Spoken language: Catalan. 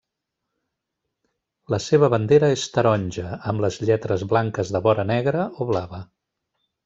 La seva bandera és taronja, amb les lletres blanques de vora negra o blava.